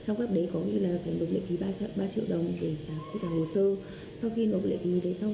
nhiều người dân